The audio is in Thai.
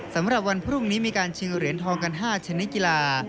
สำหรับวันพรุ่งนี้มีการชิงเหรียญทองกัน๕ชนิดกีฬา